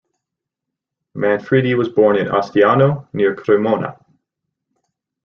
Manfredi was born in Ostiano, near Cremona.